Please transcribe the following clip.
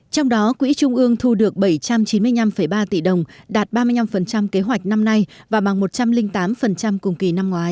trong đó quỹ trung ương thu được bảy trăm chín mươi năm ba tỷ đồng đạt ba mươi năm kế hoạch năm nay và bằng một trăm linh tám cùng kỳ năm ngoái